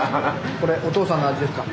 これおとうさんの味ですか？